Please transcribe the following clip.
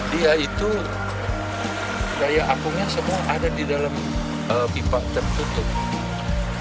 dia itu daya apungnya semua ada di dalam pipa tertutup